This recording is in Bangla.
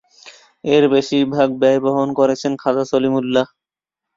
এর বেশিরভাগ ব্যয় বহন করেছেন খাজা সলিমুল্লাহ।